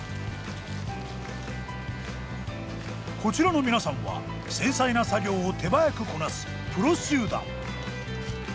こちらの皆さんは繊細な作業を手早くこなすプロ集団。